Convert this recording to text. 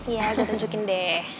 ya gue tunjukin deh